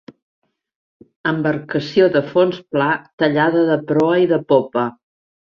Embarcació de fons pla tallada de proa i de popa.